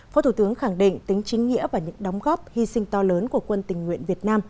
phó thủ tướng khẳng định tính chính nghĩa và những đóng góp hy sinh to lớn của quân tình nguyện việt nam